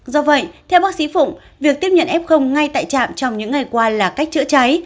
do vậy theo bác sĩ phụng việc tiếp nhận f ngay tại trạm trong những ngày qua là cách chữa cháy